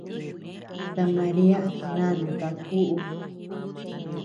Ta Maria nanuta kuʼu.